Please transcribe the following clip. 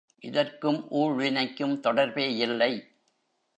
இதற்கும் ஊழ்வினைக்கும் தொடர்பேயில்லை.